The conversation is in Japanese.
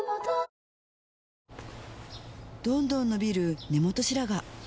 どんどん伸びる根元白髪